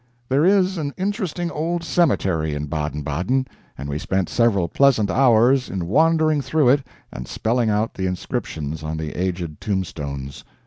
There is an interesting old cemetery in Baden Baden, and we spent several pleasant hours in wandering through it and spelling out the inscriptions on the aged tombstones.